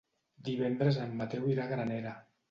Divendres en Mateu irà a Granera.